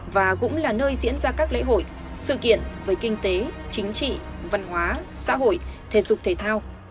và cũng là nơi diễn ra các lễ hội sự kiện về kinh tế chính trị văn hóa xã hội thể dục thể thao